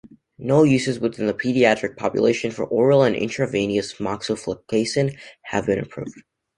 No uses within the pediatric population for oral and intravenous moxifloxacin have been approved.